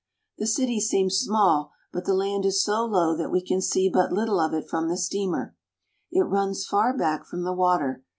The city seems small, but the land is so low that we can see but httle of it from the steamer. It runs far back from the water.